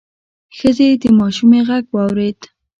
ښځې د ماشومې غږ واورېد: